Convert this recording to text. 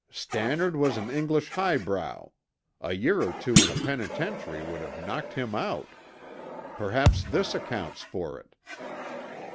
"Stannard was an English highbrow. A year or two in a penitentiary would have knocked him out. Perhaps this accounts for it."